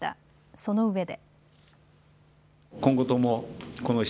そのうえで。